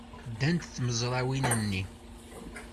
Ddant tmezrawin-nni.